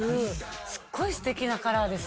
すっごいステキなカラーですね。